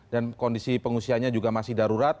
dan kondisi pengungsiannya juga masih darurat